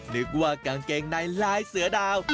นึกว่ากางเกงในลายเสือดาว